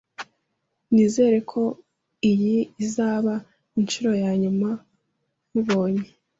Nizere ko iyi izaba inshuro ya nyuma nkubonye.